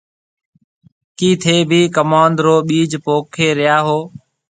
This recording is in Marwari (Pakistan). ڪِي ٿَي ڀِي ڪموُند رو ٻِيج پوکي ريا هون۔